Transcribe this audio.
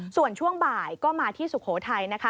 ส่วนช่วงบ่ายก็มาที่สุโขทัยนะคะ